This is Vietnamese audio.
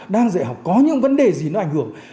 đang dạy học có những vấn đề gì nó ảnh hưởng